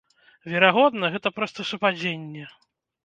Верагодна, гэта проста супадзенне.